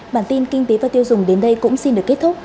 bản tin kinh tế và tiêu dùng đến đây cũng xin được kết thúc